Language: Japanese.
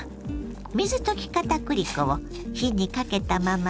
水溶きかたくり粉を火にかけたまま入れ